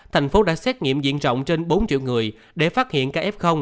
thành phố đã xét nghiệm diện rộng trên bốn triệu người để phát hiện ca f